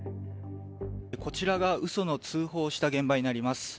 こちらが嘘の通報をした現場になります。